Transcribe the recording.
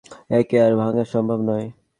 একে আর ভাঙা সম্ভব নয়।